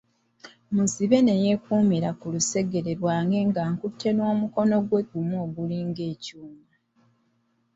Muzibe ne yeekumira ku lusegere lwange ng'ankutte n'omukono gwe ogumu ogulinga ekyuma.